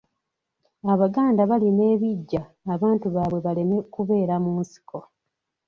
Abaganda balima ebiggya abantu baabwe baleme kubeera mu nsiko.